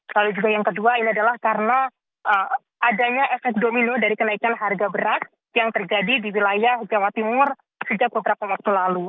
lalu juga yang kedua ini adalah karena adanya efek domino dari kenaikan harga beras yang terjadi di wilayah jawa timur sejak beberapa waktu lalu